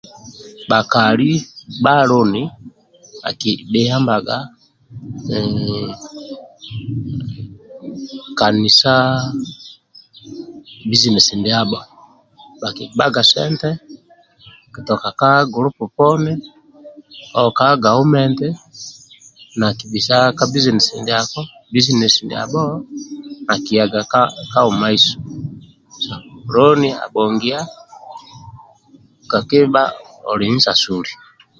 Bhakali bha loni akibhuyambaga kanisa bbizinesi ndiabho bhakigbaga sente tuka ka gulupu poni oka gaumenti nakibisa ka bbizinesi niadko bbuzinesi ndiabho akiyaga ka mumaiso sente loni abhongia kakuba oli nsasuli